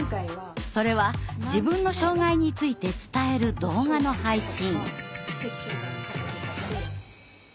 それは自分の障害について伝える動画の配信。